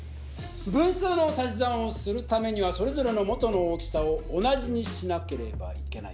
分数の足し算をするためにはそれぞれの元の大きさを同じにしなければいけない。